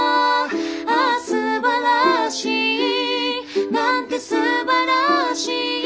「あぁ素晴らしいなんて素晴らしい」